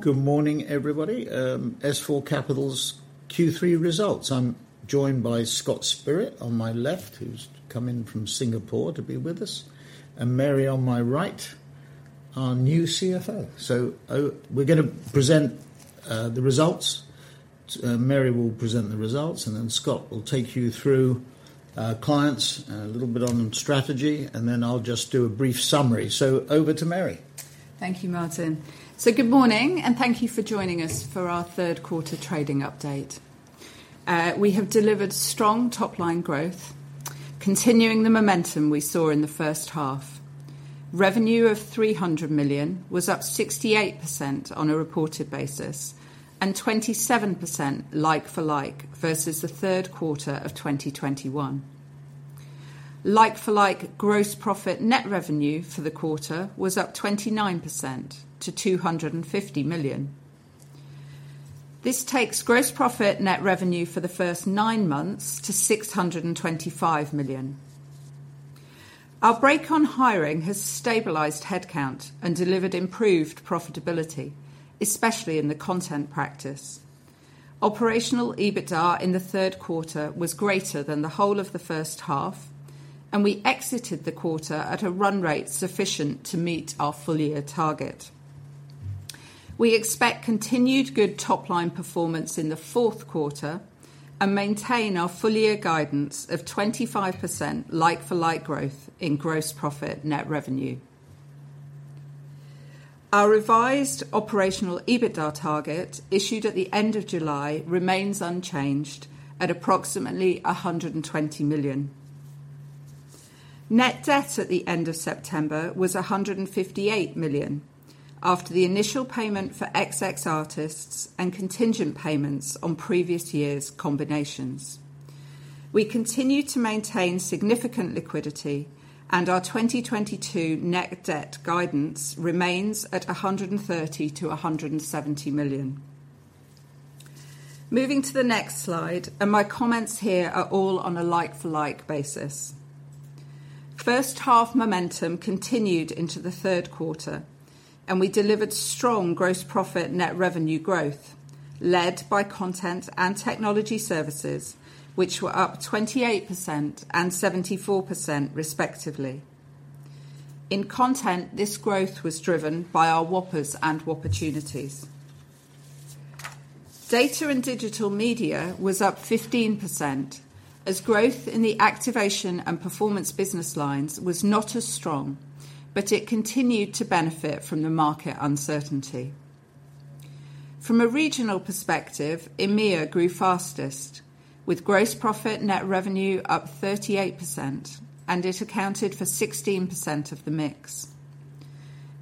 Good morning, everybody. S4 Capital's Q3 results. I'm joined by Scott Spirit on my left, who's come in from Singapore to be with us, and Mary on my right, our new CFO. We're gonna present the results. Mary will present the results, and then Scott will take you through clients, a little bit on strategy, and then I'll just do a brief summary. Over to Mary. Thank you, Martin. Good morning, and thank you for joining us for our third quarter trading update. We have delivered strong top-line growth, continuing the momentum we saw in the first half. Revenue of 300 million was up 68% on a reported basis, and 27% like-for-like versus the third quarter of 2021. Like-for-like Gross Profit/Net Revenue for the quarter was up 29% to 250 million. This takes Gross Profit/Net Revenue for the first nine months to 625 million. Our brake on hiring has stabilized headcount and delivered improved profitability, especially in the content practice. Operational EBITDA in the third quarter was greater than the whole of the first half, and we exited the quarter at a run rate sufficient to meet our full-year target. We expect continued good top-line performance in the fourth quarter and maintain our full-year guidance of 25% like-for-like growth in gross profit net revenue. Our revised Operational EBITDA target issued at the end of July remains unchanged at approximately 120 million. Net debt at the end of September was 158 million after the initial payment for XX Artists and contingent payments on previous years' combinations. We continue to maintain significant liquidity, and our 2022 net debt guidance remains at 130 million-170 million. Moving to the next slide, and my comments here are all on a like-for-like basis. First half momentum continued into the third quarter, and we delivered strong gross profit net revenue growth led by content and technology services, which were up 28% and 74% respectively. In content, this growth was driven by our Whoppers and Wopportunities. Data and digital media was up 15% as growth in the activation and performance business lines was not as strong, but it continued to benefit from the market uncertainty. From a regional perspective, EMEA grew fastest with gross profit net revenue up 38%, and it accounted for 16% of the mix.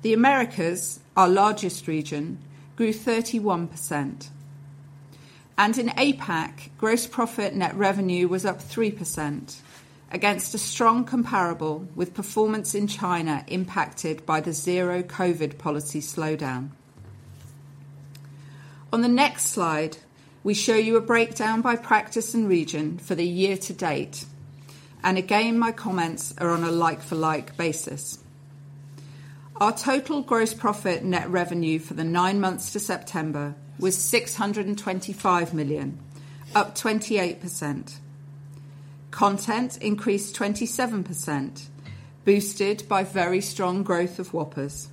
The Americas, our largest region, grew 31%. In APAC, gross profit net revenue was up 3% against a strong comparable with performance in China impacted by the zero-COVID policy slowdown. On the next slide, we show you a breakdown by practice and region for the year-to-date. Again, my comments are on a like-for-like basis. Our total gross profit net revenue for the nine months to September was 625 million, up 28%. Content increased 27%, boosted by very strong growth of Whoppers.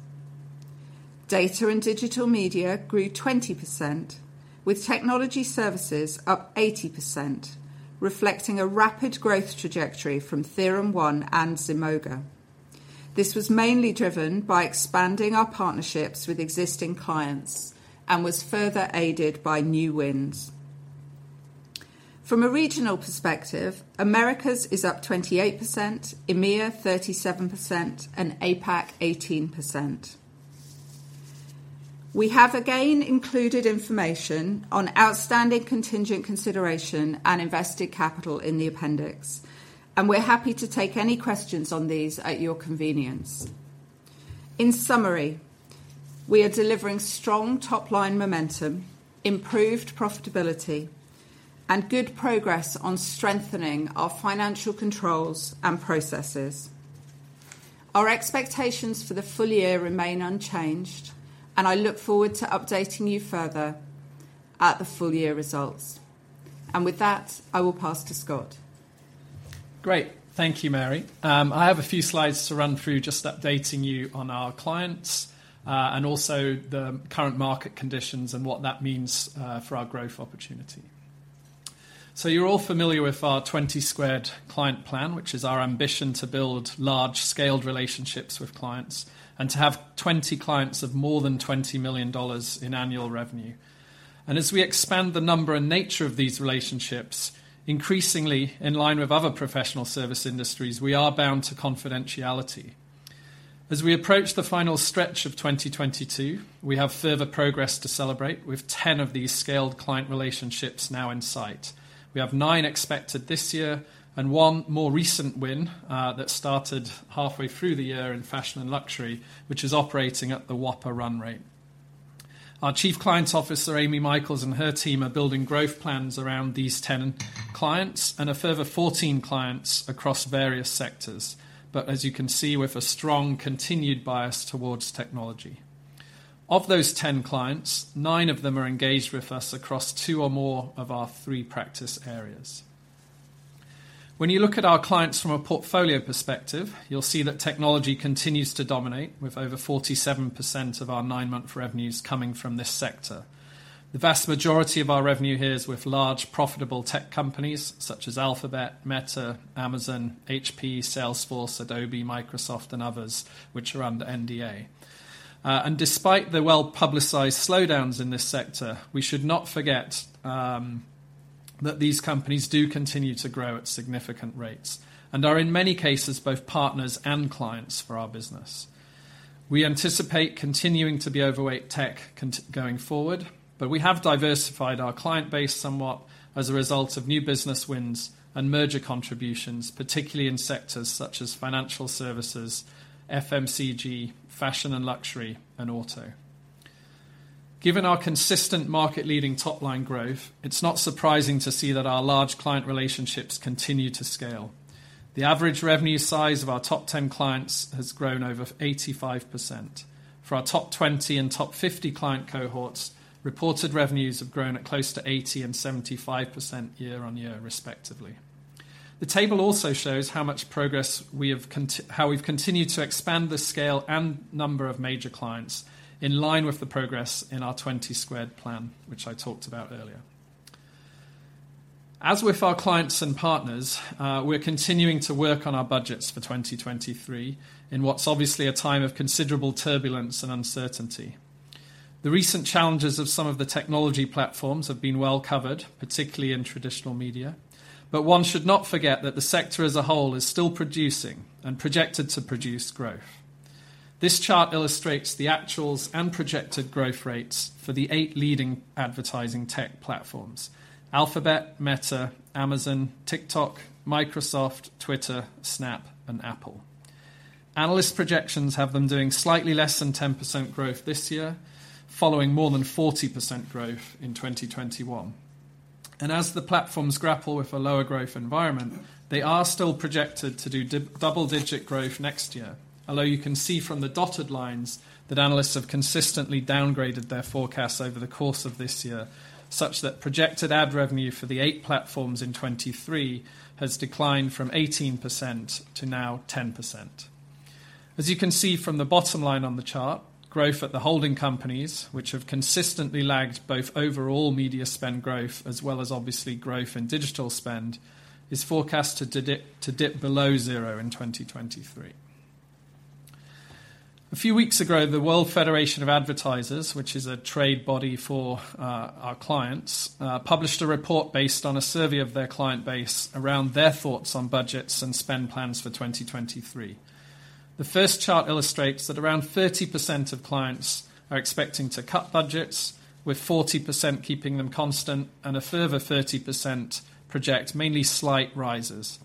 Data and digital media grew 20%, with technology services up 80%, reflecting a rapid growth trajectory from TheoremOne and Zemoga. This was mainly driven by expanding our partnerships with existing clients and was further aided by new wins. From a regional perspective, Americas is up 28%, EMEA 37%, and APAC 18%. We have again included information on outstanding contingent consideration and invested capital in the appendix, and we're happy to take any questions on these at your convenience. In summary, we are delivering strong top-line momentum, improved profitability, and good progress on strengthening our financial controls and processes. Our expectations for the full-year remain unchanged, and I look forward to updating you further at the full-year results. With that, I will pass to Scott. Great. Thank you, Mary. I have a few slides to run through just updating you on our clients, and also the current market conditions and what that means, for our growth opportunity. You're all familiar with our 20 squared client plan, which is our ambition to build large-scaled relationships with clients and to have 20 clients of more than $20 million in annual revenue. As we expand the number and nature of these relationships, increasingly in line with other professional service industries, we are bound to confidentiality. As we approach the final stretch of 2022, we have further progress to celebrate with 10 of these scaled client relationships now in sight. We have nine expected this year and one more recent win, that started halfway through the year in fashion and luxury, which is operating at the Whopper run rate. Our chief clients officer, Amy Michael, and her team are building growth plans around these 10 clients and a further 14 clients across various sectors. As you can see, with a strong continued bias towards technology. Of those 10 clients, nine of them are engaged with us across two or more of our three practice areas. When you look at our clients from a portfolio perspective, you'll see that technology continues to dominate, with over 47% of our nine-month revenues coming from this sector. The vast majority of our revenue here is with large, profitable tech companies such as Alphabet, Meta, Amazon, HP, Salesforce, Adobe, Microsoft, and others which are under NDA. Despite the well-publicized slowdowns in this sector, we should not forget that these companies do continue to grow at significant rates and are, in many cases, both partners and clients for our business. We anticipate continuing to be overweight tech going forward, but we have diversified our client base somewhat as a result of new business wins and merger contributions, particularly in sectors such as financial services, FMCG, fashion and luxury, and auto. Given our consistent market-leading top-line growth, it's not surprising to see that our large client relationships continue to scale. The average revenue size of our top 10 clients has grown over 85%. For our top 20 and top 50 client cohorts, reported revenues have grown at close to 80% and 75% year-over-year, respectively. The table also shows how we've continued to expand the scale and number of major clients in line with the progress in our 20 squared plan, which I talked about earlier. As with our clients and partners, we're continuing to work on our budgets for 2023 in what's obviously a time of considerable turbulence and uncertainty. The recent challenges of some of the technology platforms have been well covered, particularly in traditional media, but one should not forget that the sector as a whole is still producing and projected to produce growth. This chart illustrates the actuals and projected growth rates for the eight leading advertising tech platforms, Alphabet, Meta, Amazon, TikTok, Microsoft, Twitter, Snap, and Apple. Analyst projections have them doing slightly less than 10% growth this year, following more than 40% growth in 2021. As the platforms grapple with a lower growth environment, they are still projected to do double-digit growth next year. Although you can see from the dotted lines that analysts have consistently downgraded their forecasts over the course of this year, such that projected ad revenue for the eight platforms in 2023 has declined from 18% to now 10%. As you can see from the bottom line on the chart, growth at the holding companies, which have consistently lagged both overall media spend growth as well as obviously growth in digital spend, is forecasted to dip below zero in 2023. A few weeks ago, the World Federation of Advertisers, which is a trade body for our clients, published a report based on a survey of their client base around their thoughts on budgets and spend plans for 2023. The first chart illustrates that around 30% of clients are expecting to cut budgets, with 40% keeping them constant, and a further 30% project mainly slight rises.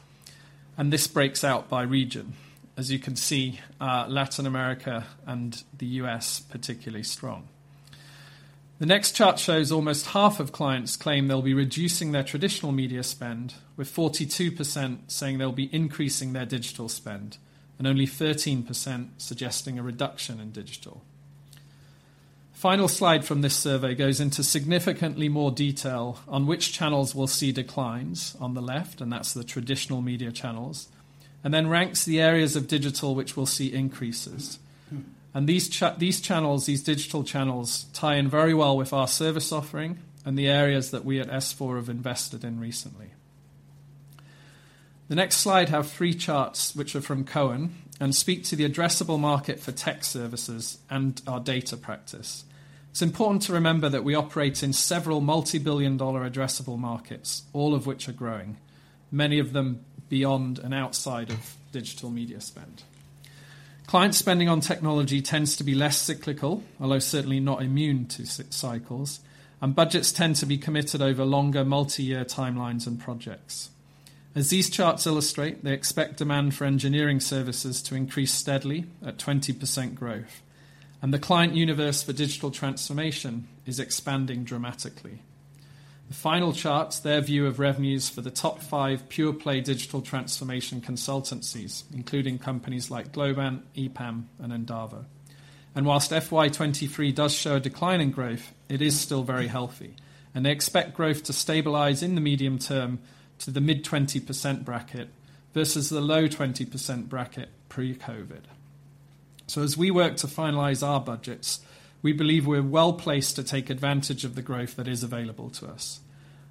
This breaks out by region. As you can see, Latin America and the US particularly strong. The next chart shows almost half of clients claim they'll be reducing their traditional media spend, with 42% saying they'll be increasing their digital spend, and only 13% suggesting a reduction in digital. Final slide from this survey goes into significantly more detail on which channels will see declines on the left, and that's the traditional media channels, and then ranks the areas of digital which will see increases. These channels, these digital channels tie in very well with our service offering and the areas that we at S4 have invested in recently. The next slide has three charts which are from Cowen and speak to the addressable market for tech services and our data practice. It's important to remember that we operate in several multibillion-dollar addressable markets, all of which are growing, many of them beyond and outside of digital media spend. Client spending on technology tends to be less cyclical, although certainly not immune to cycles, and budgets tend to be committed over longer multi-year timelines and projects. As these charts illustrate, they expect demand for engineering services to increase steadily at 20% growth, and the client universe for digital transformation is expanding dramatically. The final chart, their view of revenues for the top five pure play digital transformation consultancies, including companies like Globant, EPAM, and Endava. While FY 2023 does show a decline in growth, it is still very healthy, and they expect growth to stabilize in the medium term to the mid-20% bracket versus the low 20% bracket pre-COVID. As we work to finalize our budgets, we believe we're well placed to take advantage of the growth that is available to us.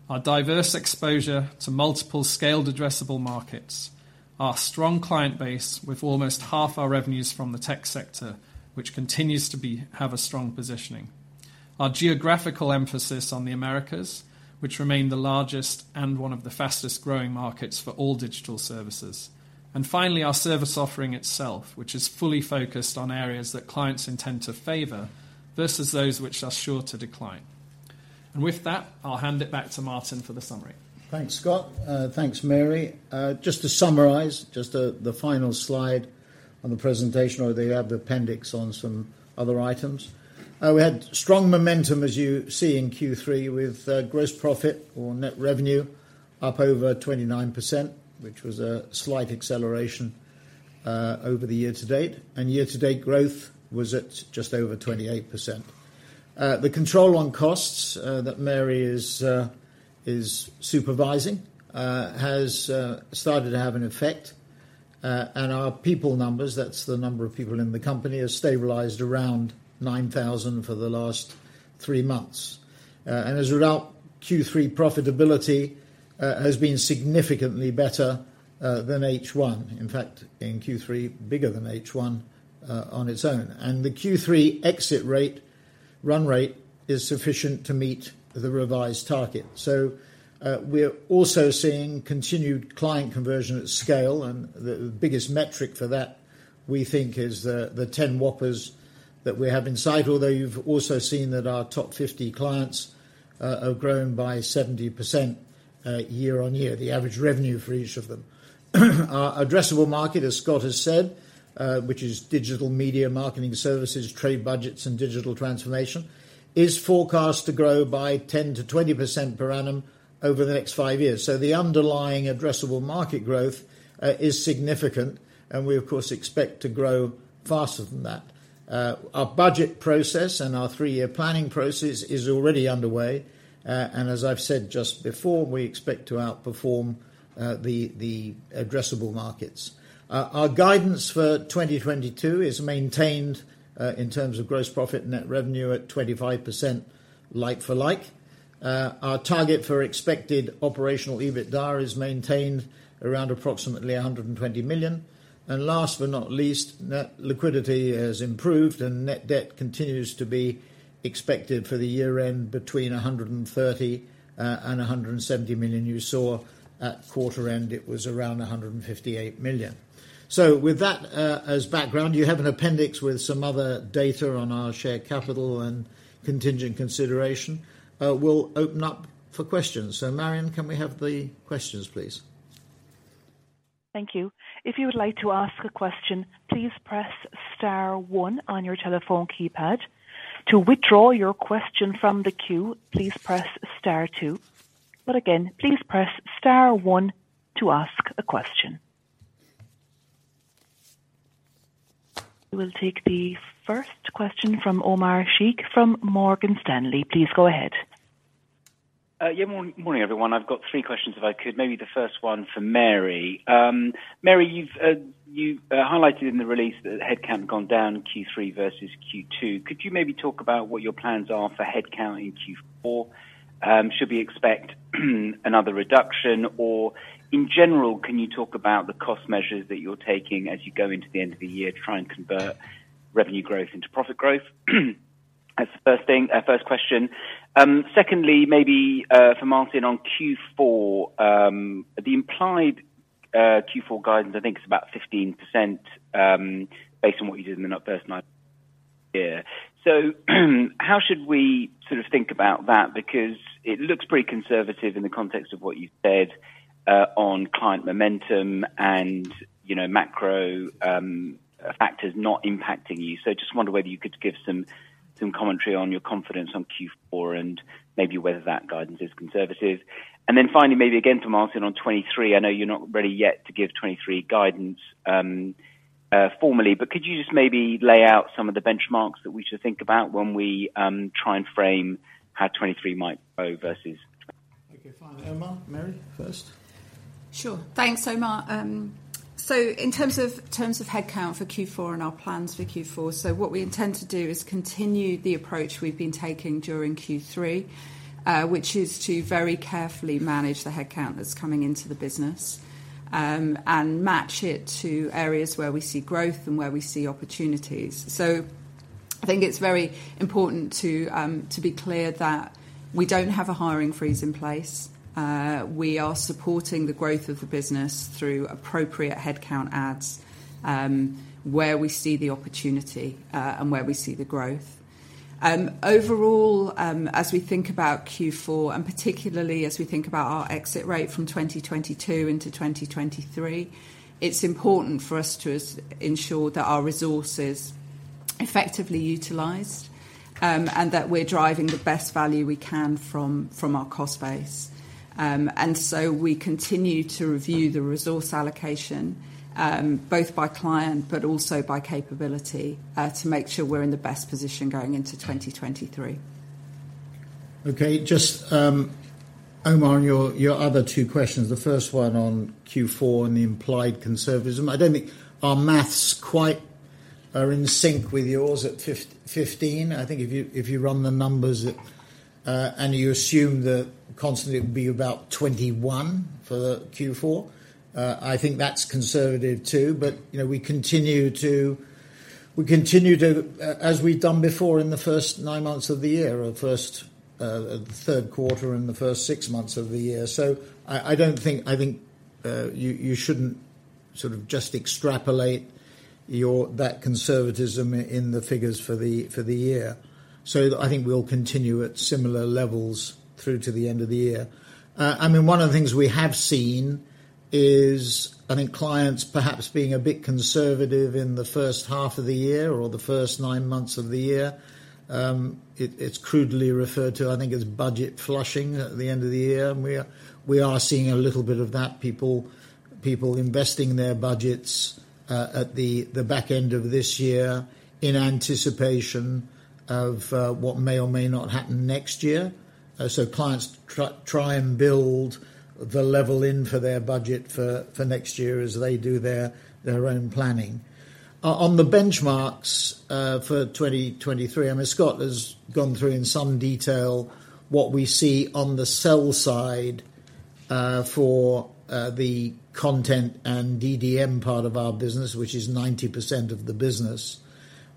Our diverse exposure to multiple scaled addressable markets, our strong client base with almost half our revenues from the tech sector, which continues to have a strong positioning. Our geographical emphasis on the Americas, which remain the largest and one of the fastest-growing markets for all digital services. Finally, our service offering itself, which is fully focused on areas that clients intend to favor versus those which are sure to decline. With that, I'll hand it back to Martin for the summary. Thanks, Scott. Thanks, Mary. Just to summarize, the final slide on the presentation or the appendix on some other items. We had strong momentum, as you see in Q3, with gross profit/net revenue up over 29%, which was a slight acceleration over the year-to-date. Year-to-date growth was at just over 28%. The control on costs that Mary is supervising has started to have an effect. Our people numbers, that's the number of people in the company, has stabilized around 9,000 for the last three months. As a result, Q3 profitability has been significantly better than H1. In fact, in Q3 bigger than H1 on its own. The Q3 exit rate, run rate is sufficient to meet the revised target. We're also seeing continued client conversion at scale, and the biggest metric for that, we think, is the 10 Whoppers that we have in sight. Although you've also seen that our top 50 clients have grown by 70%, year-on-year, the average revenue for each of them. Our addressable market, as Scott has said, which is digital media marketing services, trade budgets, and digital transformation, is forecast to grow by 10%-20% per annum over the next five years. The underlying addressable market growth is significant, and we of course expect to grow faster than that. Our budget process and our three-year planning process is already underway. As I've said just before, we expect to outperform the addressable markets. Our guidance for 2022 is maintained in terms of gross profit and net revenue at 25% like-for-like. Our target for expected operational EBITDA is maintained around approximately 120 million. Last but not least, net liquidity has improved, and net debt continues to be expected for the year end between 130 million and 170 million. You saw at quarter-end it was around 158 million. With that as background, you have an appendix with some other data on our share capital and contingent consideration. We'll open up for questions. Marian, can we have the questions, please? Thank you. If you would like to ask a question, please press star one on your telephone keypad. To withdraw your question from the queue, please press star two. Again, please press star one to ask a question. We'll take the first question from Omar Sheikh from Morgan Stanley. Please go ahead. Morning, everyone. I've got three questions, if I could. Maybe the first one for Mary. Mary, you've highlighted in the release that headcount has gone down in Q3 versus Q2. Could you maybe talk about what your plans are for headcount in Q4? Should we expect another reduction? Or in general, can you talk about the cost measures that you're taking as you go into the end of the year to try and convert revenue growth into profit growth? That's the first thing, first question. Secondly, maybe for Martin on Q4. The implied Q4 guidance, I think it's about 15%, based on what you did in the first nine year. How should we sort of think about that? Because it looks pretty conservative in the context of what you said on client momentum and, you know, macro factors not impacting you. Just wonder whether you could give some commentary on your confidence on Q4 and maybe whether that guidance is conservative. Then finally, maybe again for Martin on 2023. I know you're not ready yet to give 2023 guidance formally, but could you just maybe lay out some of the benchmarks that we should think about when we try and frame how 2023 might go versus 'twenty- Okay, fine. Omar, Mary first. Sure. Thanks, Omar. In terms of headcount for Q4 and our plans for Q4, what we intend to do is continue the approach we've been taking during Q3, which is to very carefully manage the headcount that's coming into the business, and match it to areas where we see growth and where we see opportunities. I think it's very important to be clear that we don't have a hiring freeze in place. We are supporting the growth of the business through appropriate headcount adds, where we see the opportunity, and where we see the growth. Overall, as we think about Q4, and particularly as we think about our exit rate from 2022 into 2023, it's important for us to ensure that our resource is effectively utilized, and that we're driving the best value we can from our cost base. We continue to review the resource allocation, both by client but also by capability, to make sure we're in the best position going into 2023. Okay. Just, Omar, on your other two questions, the first one on Q4 and the implied conservatism. I don't think our math quite are in sync with yours at 15%. I think if you run the numbers and you assume the constant currency it would be about 21% for Q4. I think that's conservative too. You know, we continue to, as we've done before in the first nine months of the year, the third quarter and the first six months of the year. I don't think you should sort of just extrapolate that conservatism in the figures for the year. I think we'll continue at similar levels through to the end of the year. I mean, one of the things we have seen is, I think clients perhaps being a bit conservative in the first half of the year or the first nine months of the year. It's crudely referred to, I think, as budget flushing at the end of the year. We are seeing a little bit of that, people investing their budgets at the back end of this year in anticipation of what may or may not happen next year. Clients try and build the level in for their budget for next year as they do their own planning. On the benchmarks for 2023, I mean, Scott has gone through in some detail what we see on the sell side for the content and DDM part of our business, which is 90% of the business.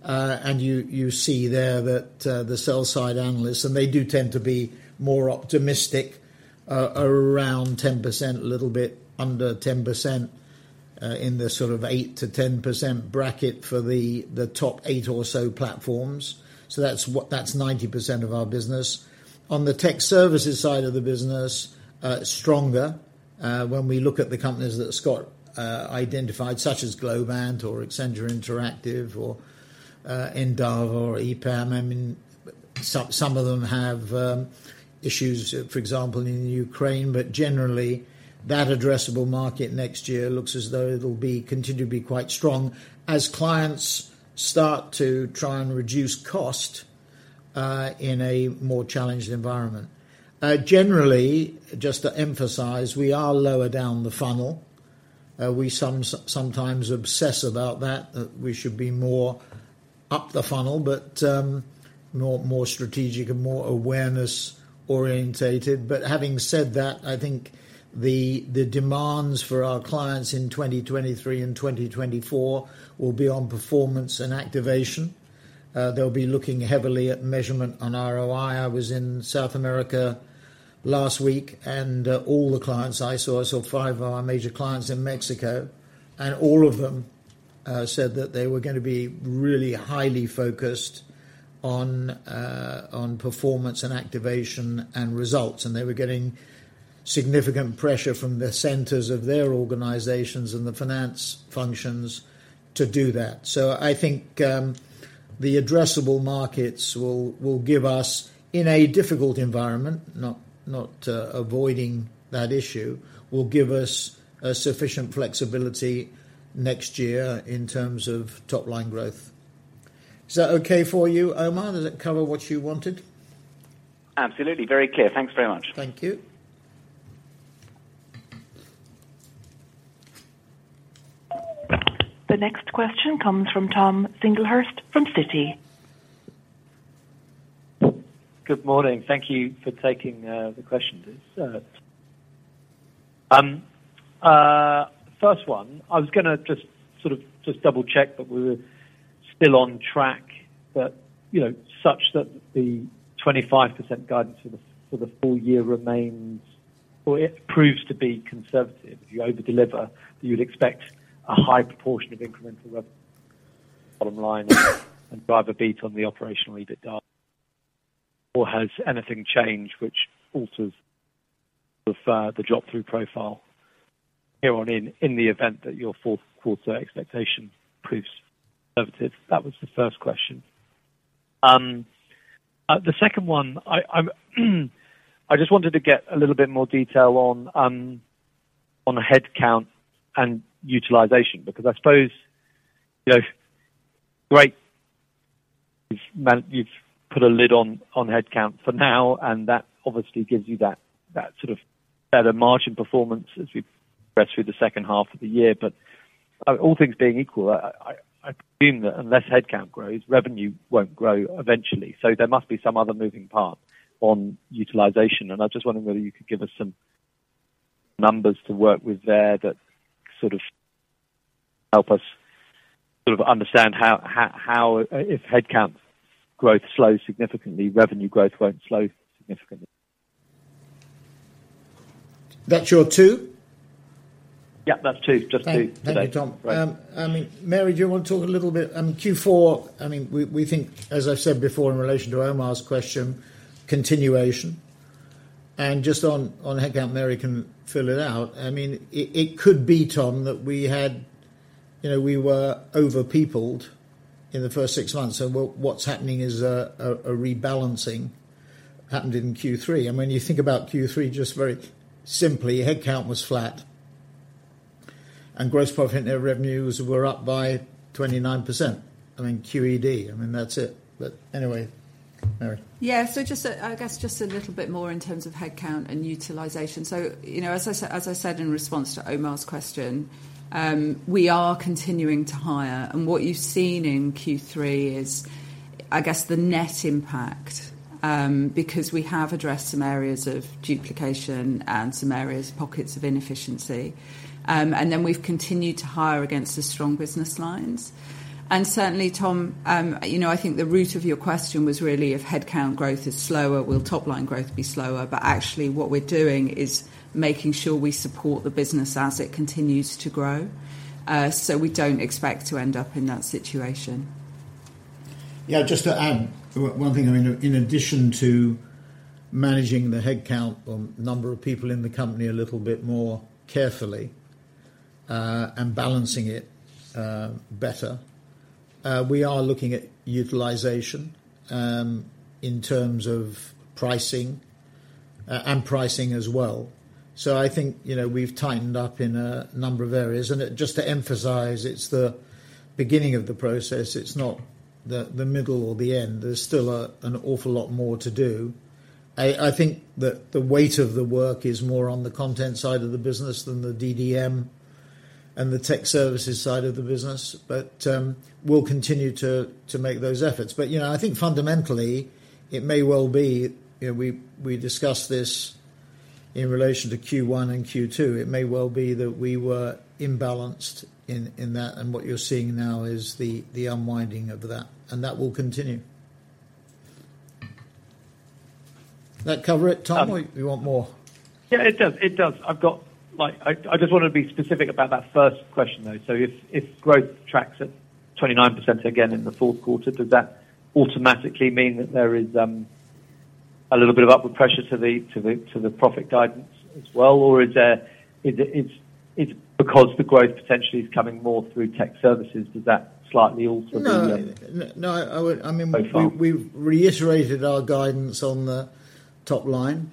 You see there that the sell side analysts, and they do tend to be more optimistic, around 10%, a little bit under 10%, in the sort of 8%-10% bracket for the top eight or so platforms. That's 90% of our business. On the tech services side of the business, stronger when we look at the companies that Scott identified, such as Globant or Accenture Song or Endava or EPAM. I mean, some of them have issues, for example, in Ukraine, but generally, that addressable market next year looks as though it'll be continue to be quite strong as clients start to try and reduce cost in a more challenged environment. Generally, just to emphasize, we are lower down the funnel. We sometimes obsess about that we should be more up the funnel, but more strategic and more awareness-orientated. Having said that, I think the demands for our clients in 2023 and 2024 will be on performance and activation. They'll be looking heavily at measurement on ROI. I was in South America last week, and all the clients I saw, I saw five of our major clients in Mexico, and all of them said that they were gonna be really highly focused on performance and activation and results. They were getting significant pressure from the centers of their organizations and the finance functions to do that. I think the addressable markets will give us, in a difficult environment, not avoiding that issue, sufficient flexibility next year in terms of top line growth. Is that okay for you, Omar? Does that cover what you wanted? Absolutely. Very clear. Thanks very much. Thank you. The next question comes from Thomas Singlehurst from Citi. Good morning. Thank you for taking the questions. First one, I was gonna just sort of just double-check that we were still on track, that, you know, such that the 25% guidance for the full-year remains, or it proves to be conservative. If you over-deliver, you'd expect a high proportion of incremental revenue bottom line and drive a beat on the Operational EBITDA. Or has anything changed which alters the drop-through profile here on in the event that your fourth quarter expectation proves conservative? That was the first question. The second one, I just wanted to get a little bit more detail on headcount and utilization, because I suppose, you know, great, you've put a lid on headcount for now, and that obviously gives you that sort of better margin performance as we progress through the second half of the year. All things being equal, I presume that unless headcount grows, revenue won't grow eventually. There must be some other moving part on utilization, and I just wondering whether you could give us some numbers to work with there that sort of help us sort of understand how if headcount growth slows significantly, revenue growth won't slow significantly. That's your 2? Yeah, that's two. Just two today. Thank you, Tom. I mean, Mary, do you want to talk a little bit on Q4? I mean, we think, as I said before in relation to Omar's question, continuation. Just on headcount, Mary can fill it out. I mean, it could be, Tom, that we had you know, we were over-peopled in the first six months. What’s happening is, a rebalancing happened in Q3. When you think about Q3 just very simply, headcount was flat and gross profit/net revenues were up by 29%. I mean, QED. I mean, that’s it. Anyway, Mary. Yeah. Just, I guess, just a little bit more in terms of headcount and utilization. You know, as I said in response to Omar's question, we are continuing to hire and what you've seen in Q3 is, I guess, the net impact, because we have addressed some areas of duplication and some areas, pockets of inefficiency. Then we've continued to hire against the strong business lines. Certainly, Tom, you know, I think the root of your question was really if headcount growth is slower, will top line growth be slower? Actually, what we're doing is making sure we support the business as it continues to grow. We don't expect to end up in that situation. Yeah, just to add one thing. I mean, in addition to managing the headcount or number of people in the company a little bit more carefully and balancing it better, we are looking at utilization in terms of pricing and pricing as well. I think, you know, we've tightened up in a number of areas. Just to emphasize, it's the beginning of the process. It's not the middle or the end. There's still an awful lot more to do. I think that the weight of the work is more on the content side of the business than the DDM and the tech services side of the business. We'll continue to make those efforts. You know, I think fundamentally it may well be, you know, we discussed this in relation to Q1 and Q2. It may well be that we were imbalanced in that, and what you're seeing now is the unwinding of that, and that will continue. That cover it, Tom? Um- You want more? Yeah, it does. It does. I've got. Like, I just wanna be specific about that first question though. If growth tracks at 29% again in the fourth quarter, does that automatically mean that there is a little bit of upward pressure to the profit guidance as well? Or is it because the growth potentially is coming more through tech services. Does that slightly also mean that. No. Okay, fine. I mean, we've reiterated our guidance on the top line.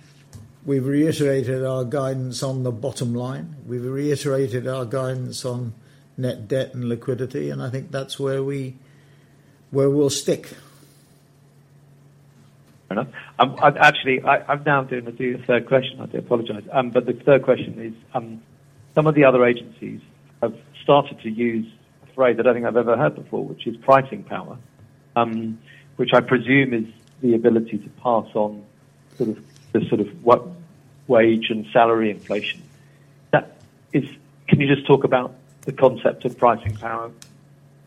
We've reiterated our guidance on the bottom line. We've reiterated our guidance on net debt and liquidity, and I think that's where we'll stick. Fair enough. I'm now doing the third question. I do apologize. The third question is, some of the other agencies have started to use a phrase that I don't think I've ever heard before, which is pricing power. Which I presume is the ability to pass on sort of what wage and salary inflation. That is. Can you just talk about the concept of pricing power?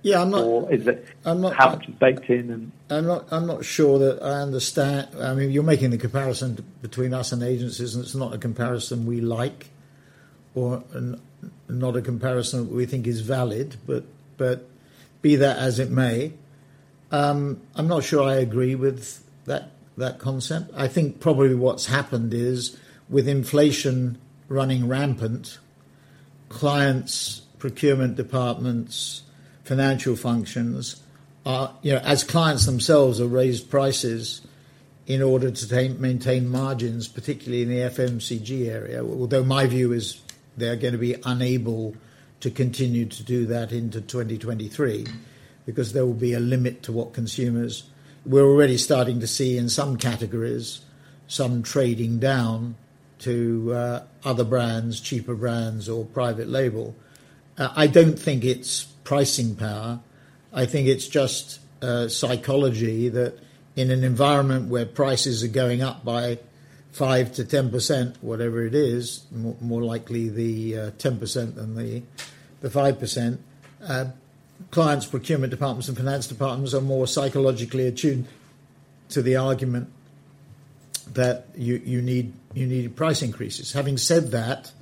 Yeah. Is it? I'm not- How it's baked in. I'm not sure that I understand. I mean, you're making the comparison between us and agencies, and it's not a comparison we like or not a comparison we think is valid. Be that as it may, I'm not sure I agree with that concept. I think probably what's happened is with inflation running rampant, clients' procurement departments, financial functions are you know, as clients themselves have raised prices in order to maintain margins, particularly in the FMCG area. Although my view is they're gonna be unable to continue to do that into 2023 because there will be a limit to what consumers we're already starting to see in some categories some trading down to other brands, cheaper brands or private label. I don't think it's pricing power. I think it's just psychology that in an environment where prices are going up by 5%-10%, whatever it is, more likely the 10% than the 5%. Clients' procurement departments and finance departments are more psychologically attuned to the argument that you need price increases. Having said that,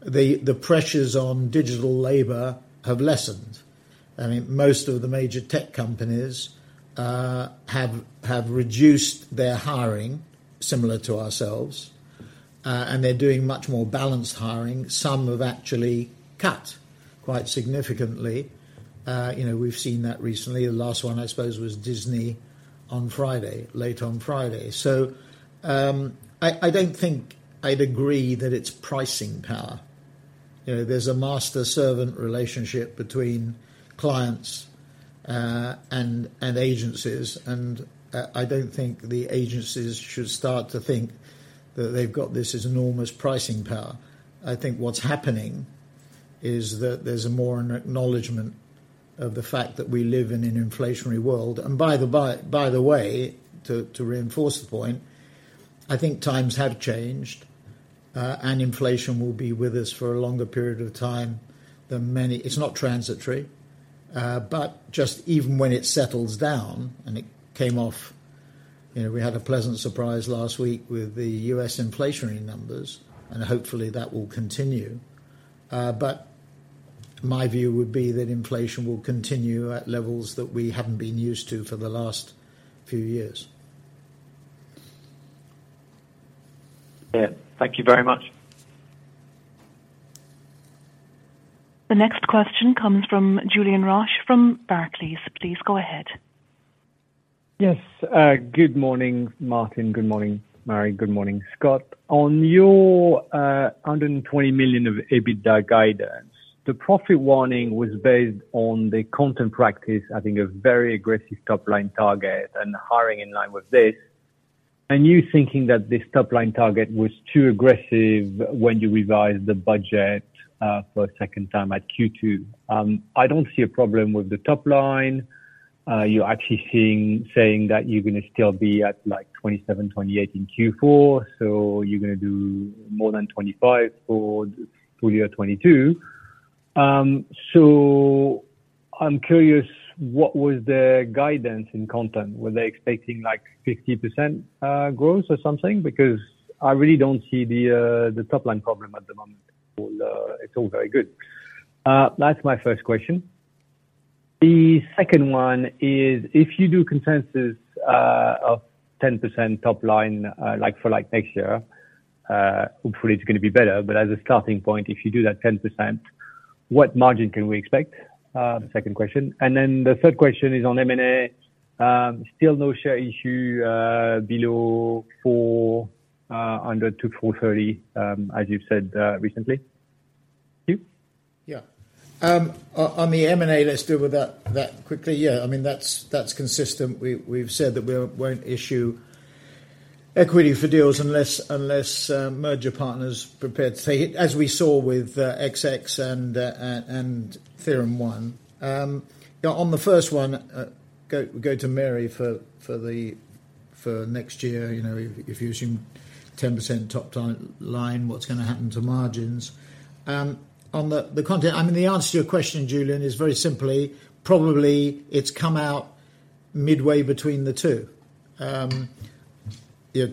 the pressures on digital labor have lessened. I mean, most of the major tech companies have reduced their hiring similar to ourselves. They're doing much more balanced hiring. Some have actually cut quite significantly. You know, we've seen that recently. The last one, I suppose, was Disney on Friday, late on Friday. I don't think I'd agree that it's pricing power. You know, there's a master-servant relationship between clients and agencies. I don't think the agencies should start to think that they've got this as enormous pricing power. I think what's happening is that there's more an acknowledgement of the fact that we live in an inflationary world. By the by the way, to reinforce the point, I think times have changed, and inflation will be with us for a longer period of time than many. It's not transitory. Just even when it settles down and it came off. You know, we had a pleasant surprise last week with the US inflationary numbers, and hopefully, that will continue. My view would be that inflation will continue at levels that we haven't been used to for the last few years. Yeah. Thank you very much. The next question comes from Julien Roch from Barclays. Please go ahead. Yes. Good morning, Martin. Good morning, Mary. Good morning, Scott. On your 120 million of EBITDA guidance, the profit warning was based on the content practice, I think a very aggressive top-line target and hiring in line with this. You thinking that this top-line target was too aggressive when you revised the budget for a second time at Q2. I don't see a problem with the top line. You're actually saying that you're gonna still be at, like, 27%-28% in Q4. You're gonna do more than 25% for full-year 2022. So I'm curious, what was the guidance in content? Were they expecting, like, 50% growth or something? Because I really don't see the top line problem at the moment. It's all very good. That's my first question. The second one is, if you do consensus of 10% top line like-for-like next year, hopefully it's gonna be better, but as a starting point, if you do that 10%, what margin can we expect? Second question. Then the third question is on M&A. Still no share issue below 400-430, as you've said recently. Thank you. Yeah. On the M&A, let's deal with that quickly. Yeah, I mean that's consistent. We've said that we won't issue equity for deals unless merger partner is prepared to say it, as we saw with XX and TheoremOne. Yeah, on the first one, we go to Mary for next year. You know, if you assume 10% top line, what's gonna happen to margins. On the content, I mean, the answer to your question, Julian, is very simply, probably it's come out midway between the two. You know,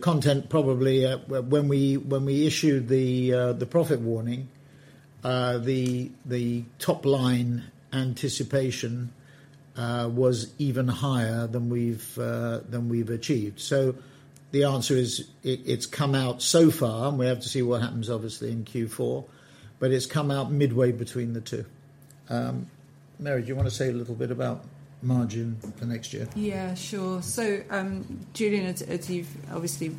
content probably, when we issued the profit warning, the top line anticipation was even higher than we've achieved. The answer is, it's come out so far, and we have to see what happens obviously in Q4, but it's come out midway between the two. Mary, do you wanna say a little bit about margin for next year? Yeah. Sure. Julian, as you've obviously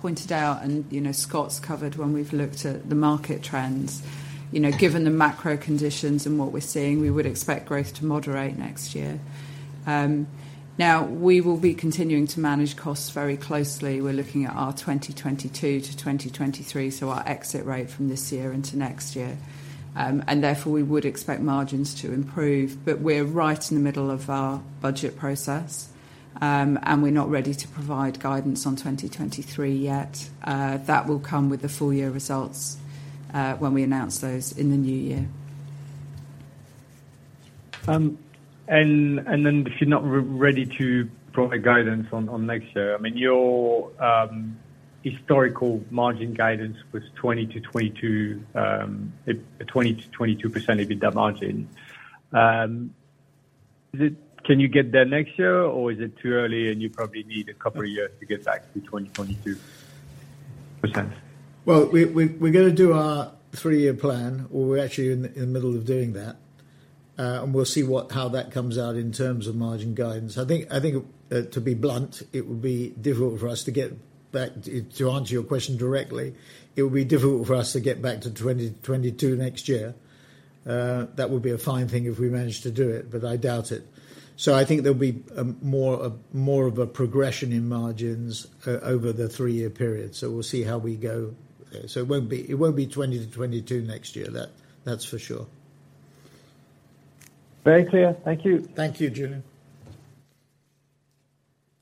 pointed out, you know, Scott's covered when we've looked at the market trends, you know, given the macro conditions and what we're seeing, we would expect growth to moderate next year. Now we will be continuing to manage costs very closely. We're looking at our 2022 to 2023, so our exit rate from this year into next year. Therefore we would expect margins to improve. We're right in the middle of our budget process, and we're not ready to provide guidance on 2023 yet. That will come with the full-year results, when we announce those in the new year. If you're not ready to provide guidance on next year, I mean, your historical margin guidance was 20%-22% EBITDA margin. Can you get there next year, or is it too early and you probably need a couple of years to get back to 20-22%? Well, we're gonna do our three-year plan, or we're actually in the middle of doing that. We'll see what, how that comes out in terms of margin guidance. I think, to be blunt, it would be difficult for us to get back to 2022 next year. That would be a fine thing if we managed to do it, but I doubt it. I think there'll be more of a progression in margins over the three-year period. We'll see how we go. It won't be 20%-22% next year. That's for sure. Very clear. Thank you. Thank you, Julian.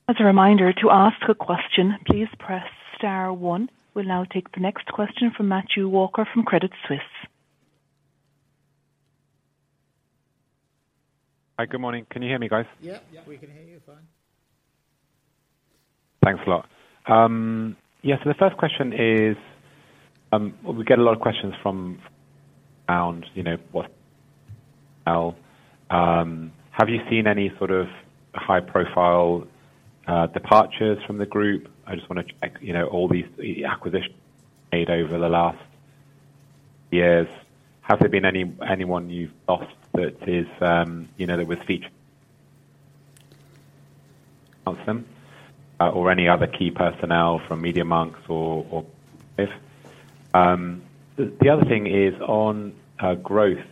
As a reminder, to ask a question, please press star one. We'll now take the next question from Matthew Walker from Credit Suisse. Hi, good morning. Can you hear me, guys? Yeah. Yeah. We can hear you fine. Thanks a lot. Yeah. The first question is, we get a lot of questions from around, you know, have you seen any sort of high-profile departures from the group? I just wanna check, you know, all these, the acquisitions made over the last years. Has there been anyone you've lost that is, you know, that was featured consultant or any other key personnel from Media.Monks or if... The other thing is on growth.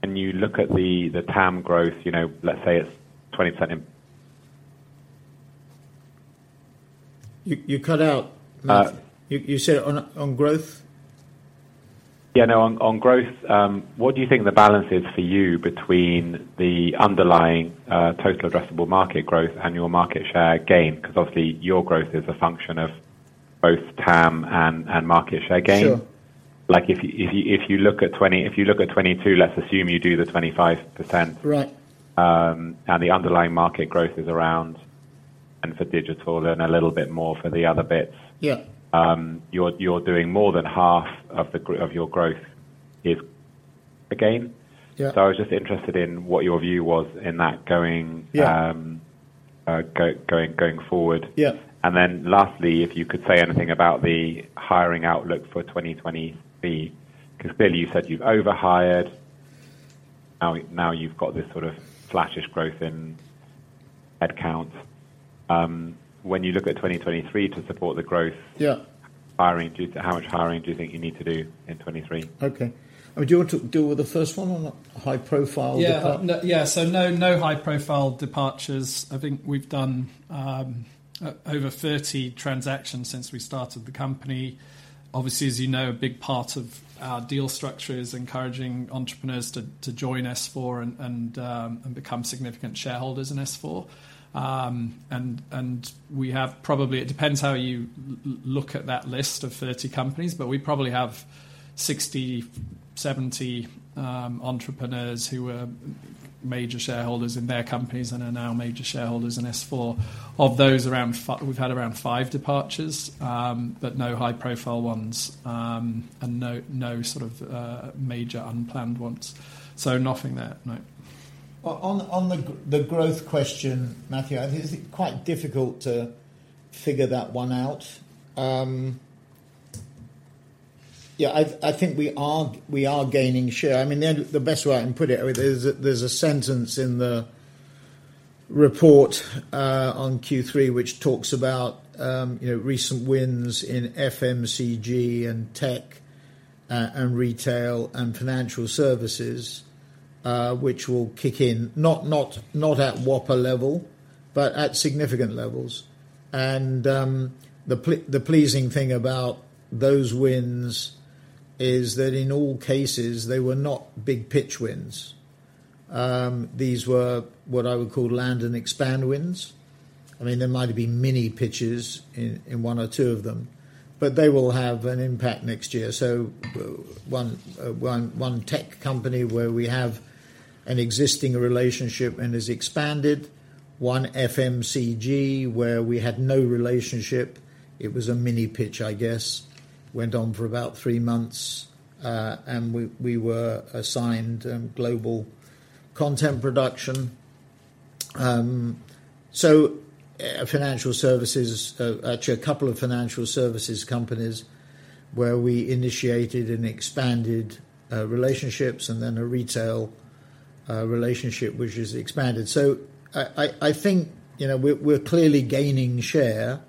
When you look at the TAM growth, you know, let's say it's 20% in- You cut out, Matt. Uh- You said on growth? Yeah, no. On growth, what do you think the balance is for you between the underlying total addressable market growth and your market share gain? 'Cause obviously your growth is a function of both TAM and market share gain. Sure. Like if you look at 22, let's assume you do the 25%. Right. The underlying market growth is around and for digital and a little bit more for the other bits. Yeah. You're doing more than half of your growth is again. Yeah. I was just interested in what your view was on that going forward? Yeah going forward. Yeah. Then lastly, if you could say anything about the hiring outlook for 2023. 'Cause clearly you said you've overhired. Now you've got this sort of flattish growth in headcounts. When you look at 2023 to support the growth. Yeah How much hiring do you think you need to do in 2023? Okay. I mean, do you want to deal with the first one on the high-profile depart-? No high profile departures. I think we've done over 30 transactions since we started the company. Obviously, as you know, a big part of our deal structure is encouraging entrepreneurs to join S4 and become significant shareholders in S4. We probably have. It depends how you look at that list of 30 companies, but we probably have 60, 70 entrepreneurs who are major shareholders in their companies and are now major shareholders in S4. Of those we've had around five departures, but no high profile ones, and no sort of major unplanned ones. Nothing there, no. On the growth question, Matthew, I think it's quite difficult to figure that one out. I think we are gaining share. I mean, the best way I can put it, I mean, there's a sentence in the report on Q3 which talks about, you know, recent wins in FMCG, and tech, and retail, and financial services, which will kick in, not at Whopper level, but at significant levels. The pleasing thing about those wins is that in all cases, they were not big pitch wins. These were what I would call land-and-expand wins. I mean, there might have been mini pitches in one or two of them, but they will have an impact next year. One tech company where we have an existing relationship and has expanded. One FMCG where we had no relationship, it was a mini pitch, I guess. Went on for about three months, and we were assigned global content production. Financial services, actually a couple of financial services companies where we initiated and expanded relationships, and then a retail relationship which has expanded. I think, you know, we're clearly gaining share.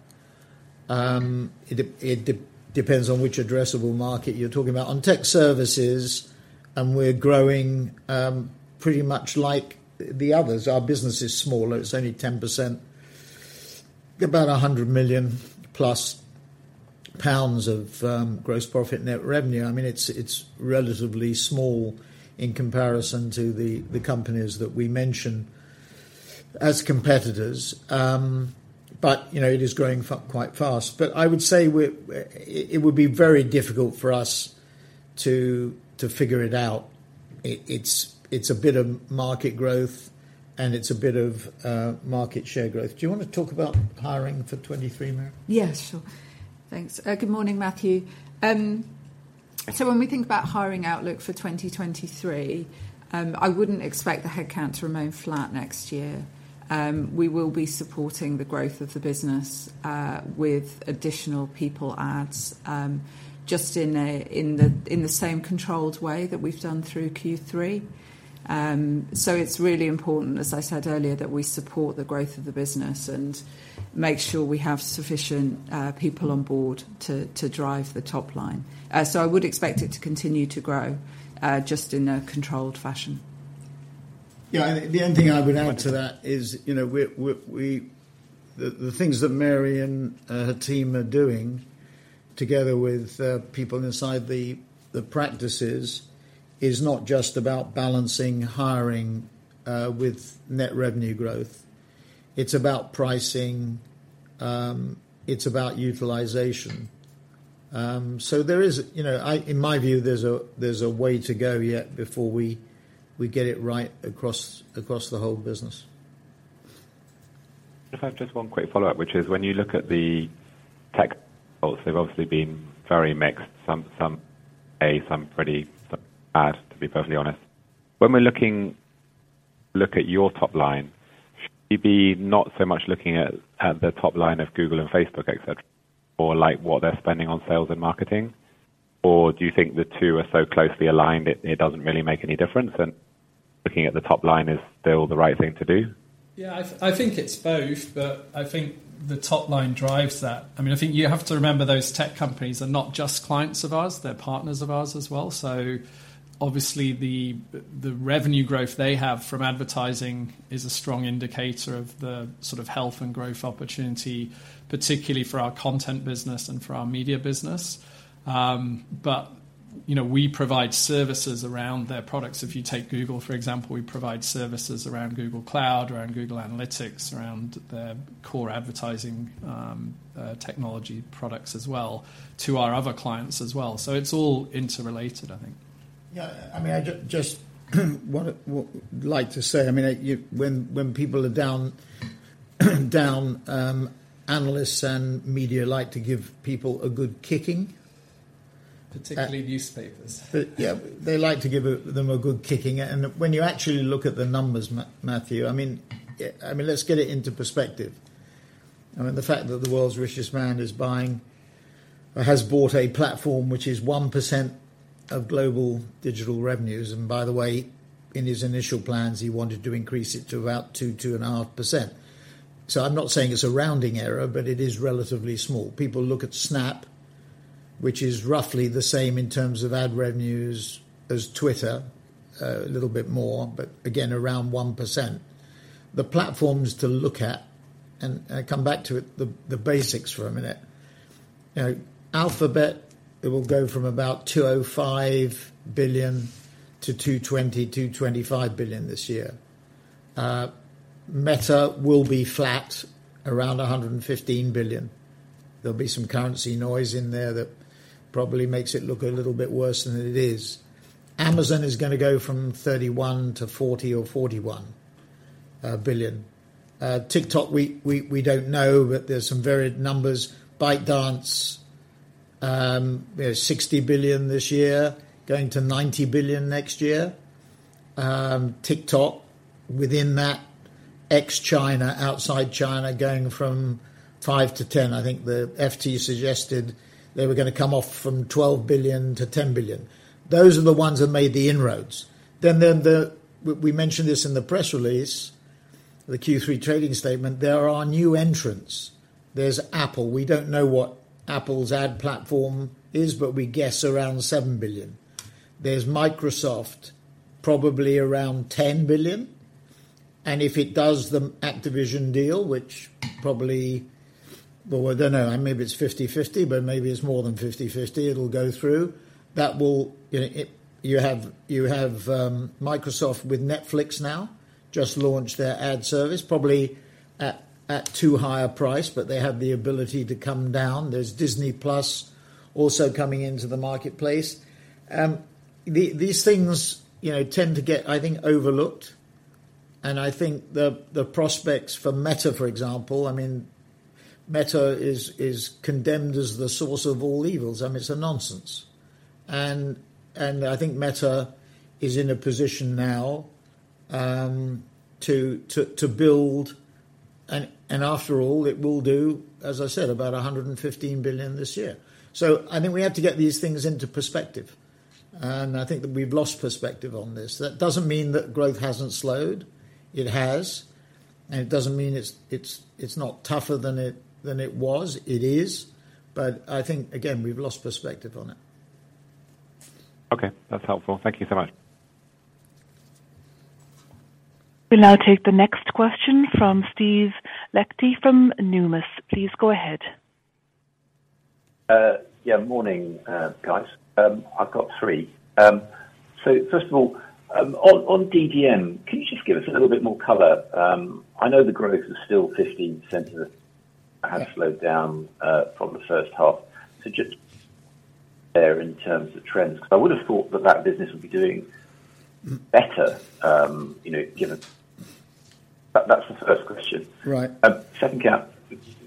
It depends on which addressable market you're talking about. On tech services, and we're growing pretty much like the others. Our business is smaller. It's only 10%, about 100 million pounds-plus of gross profit net revenue. I mean, it's relatively small in comparison to the companies that we mention as competitors. You know, it is growing quite fast. I would say it would be very difficult for us to figure it out. It's a bit of market growth, and it's a bit of market share growth. Do you wanna talk about hiring for 2023, Mary? Yes, sure. Thanks. Good morning, Matthew. When we think about hiring outlook for 2023, I wouldn't expect the headcount to remain flat next year. We will be supporting the growth of the business with additional people adds just in the same controlled way that we've done through Q3. It's really important, as I said earlier, that we support the growth of the business and make sure we have sufficient people on board to drive the top line. I would expect it to continue to grow just in a controlled fashion. The only thing I would add to that is, you know, the things that Mary and her team are doing together with people inside the practices is not just about balancing hiring with net revenue growth. It's about pricing. It's about utilization. There is, you know, in my view, there's a way to go yet before we get it right across the whole business. If I have just one quick follow-up, which is when you look at the tech results, they've obviously been very mixed. Some good, some bad, to be perfectly honest. When we're looking at your top line, should you be not so much looking at the top line of Google and Facebook, et cetera, or like what they're spending on sales and marketing? Do you think the two are so closely aligned it doesn't really make any difference, and looking at the top line is still the right thing to do? Yeah, I think it's both, but I think the top line drives that. I mean, I think you have to remember those tech companies are not just clients of ours, they're partners of ours as well. Obviously the revenue growth they have from advertising is a strong indicator of the sort of health and growth opportunity, particularly for our content business and for our media business. You know, we provide services around their products. If you take Google, for example, we provide services around Google Cloud, around Google Analytics, around their core advertising technology products as well to our other clients as well. It's all interrelated, I think. Yeah. I mean, I just wanna like to say, I mean, you. When people are down, analysts and media like to give people a good kicking. Particularly newspapers. Yeah. They like to give them a good kicking. When you actually look at the numbers, Matthew, I mean, I mean, let's get it into perspective. I mean, the fact that the world's richest man is buying or has bought a platform which is 1% of global digital revenues, and by the way, in his initial plans, he wanted to increase it to about 2%-2.5%. I'm not saying it's a rounding error, but it is relatively small. People look at Snap, which is roughly the same in terms of ad revenues as Twitter, a little bit more, but again, around 1%. The platforms to look at, and I come back to it, the basics for a minute. You know, Alphabet, it will go from about $205 billion to $220-225 billion this year. Meta will be flat around $115 billion. There'll be some currency noise in there that probably makes it look a little bit worse than it is. Amazon is gonna go from $31 billion to $40 or 41 billion. TikTok, we don't know, but there's some varied numbers. ByteDance, you know, $60 billion this year, going to $90 billion next year. TikTok within that ex-China, outside China, going from $5-10 billion. I think the FT suggested they were gonna come off from $12-10 billion. Those are the ones that made the inroads. Then we mentioned this in the press release, the Q3 trading statement. There are new entrants. There's Apple. We don't know what Apple's ad platform is, but we guess around $7 billion. There's Microsoft, probably around $10 billion. If it does the Activision deal, which probably I don't know. Maybe it's 50/50, but maybe it's more than 50/50, it'll go through. That will. You know, you have Microsoft with Netflix now, just launched their ad service, probably at too high a price, but they have the ability to come down. There's Disney+ also coming into the marketplace. These things, you know, tend to get, I think, overlooked. I think the prospects for Meta, for example, I mean, Meta is condemned as the source of all evils. I mean, it's a nonsense. I think Meta is in a position now to build. after all, it will do, as I said, about $115 billion this year. I think we have to get these things into perspective, and I think that we've lost perspective on this. That doesn't mean that growth hasn't slowed. It has. it doesn't mean it's not tougher than it was. It is. I think, again, we've lost perspective on it. Okay. That's helpful. Thank you so much. We'll now take the next question from Steve Liechti from Numis. Please go ahead. Morning, guys. I've got three. First of all, on DDM, can you just give us a little bit more color? I know the growth is still 15% and has slowed down from the first half. Just there in terms of trends. 'Cause I would have thought that business would be doing better, you know, given. That's the first question. Right. Second count.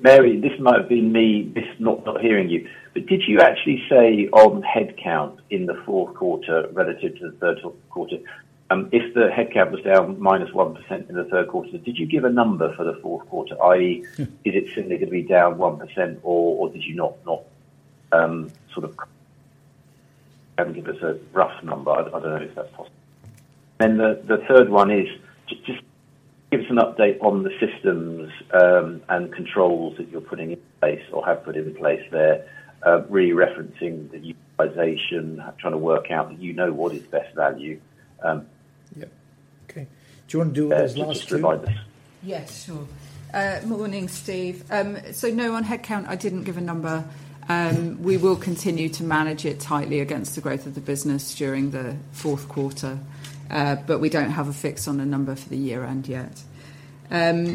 Mary, this might have been me not hearing you. Did you actually say on headcount in the fourth quarter relative to the third quarter, if the headcount was down -1% in the third quarter, did you give a number for the fourth quarter? I.e., is it simply gonna be down 1% or did you not sort of give us a rough number? I don't know if that's possible. The third one is just give us an update on the systems and controls that you're putting in place or have put in place there, referencing the utilization, trying to work out, you know, what is best value. Yeah. Okay. Do you wanna do those last two? If you could just remind me. Yes, sure. Morning, Steve. No, on headcount, I didn't give a number. We will continue to manage it tightly against the growth of the business during the fourth quarter. We don't have a fix on a number for the year-end yet. On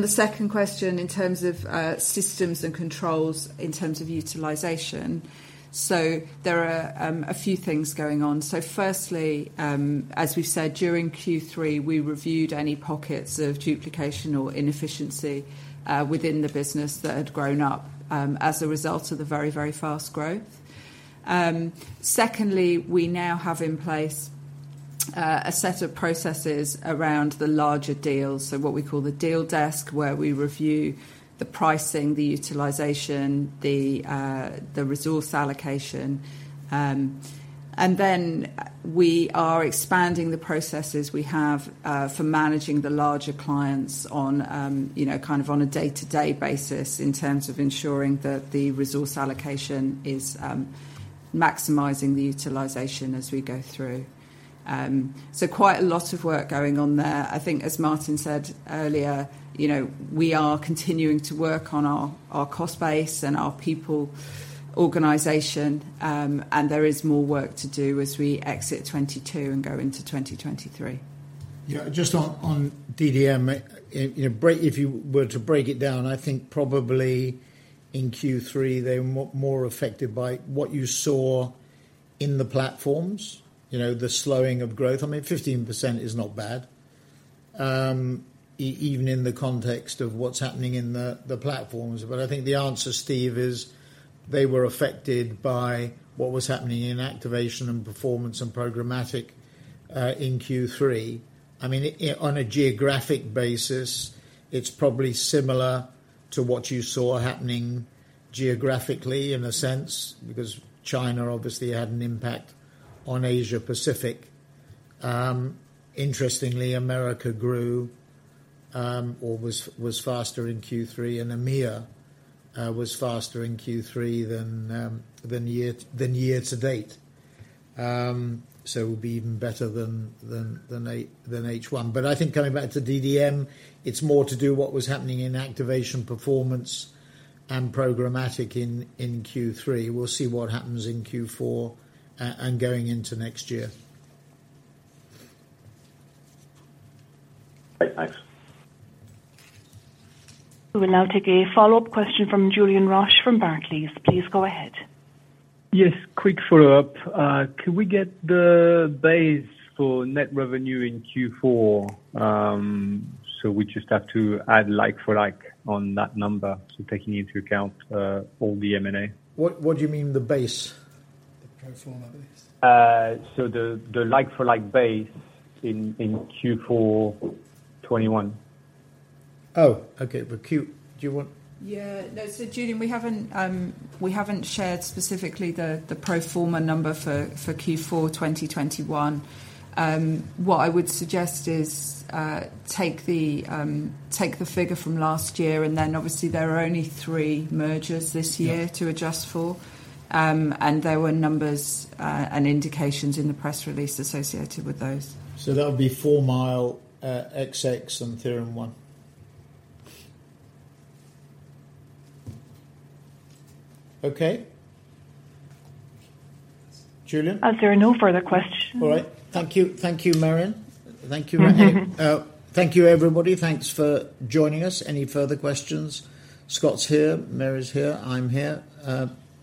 the second question, in terms of systems and controls in terms of utilization. There are a few things going on. Firstly, as we've said, during Q3, we reviewed any pockets of duplication or inefficiency within the business that had grown up as a result of the very, very fast growth. Secondly, we now have in place a set of processes around the larger deals, so what we call the deal desk, where we review the pricing, the utilization, the resource allocation. We are expanding the processes we have for managing the larger clients on, you know, kind of on a day-to-day basis in terms of ensuring that the resource allocation is maximizing the utilization as we go through. Quite a lot of work going on there. I think as Martin said earlier, you know, we are continuing to work on our cost base and our people organization, and there is more work to do as we exit 2022 and go into 2023. Just on DDM, if you were to break it down, I think probably in Q3, they're more affected by what you saw in the platforms, you know, the slowing of growth. I mean, 15% is not bad, even in the context of what's happening in the platforms. I think the answer, Steve, is they were affected by what was happening in activation and performance and programmatic in Q3. I mean, on a geographic basis, it's probably similar to what you saw happening geographically in a sense because China obviously had an impact on Asia-Pacific. Interestingly, America grew, or was faster in Q3, and EMEA was faster in Q3 than year-to-date. So it'll be even better than H1. I think coming back to DDM, it's more to do with what was happening in activation performance and programmatic in Q3. We'll see what happens in Q4, and going into next year. Right. Thanks. We will now take a follow-up question from Julien Roch from Barclays. Please go ahead. Yes, quick follow-up. Can we get the base for net revenue in Q4? We just have to add like-for-like on that number, taking into account all the M&A. What do you mean the base? The pro forma base. The like-for-like base in Q4 2021. Oh, okay. Do you want- Julian, we haven't shared specifically the pro forma number for Q4 2021. What I would suggest is take the figure from last year, and then obviously there are only three mergers this year. Yeah ...to adjust for. There were numbers, and indications in the press release associated with those. That would be 4 Mile Analytics, XX and TheoremOne. Okay. Julian? There are no further questions. All right. Thank you. Thank you, Marion. Thank you, Martin. Mm-hmm. Thank you, everybody. Thanks for joining us. Any further questions, Scott's here, Mary's here, I'm here.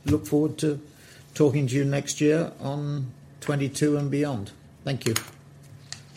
Look forward to talking to you next year in 2022 and beyond. Thank you.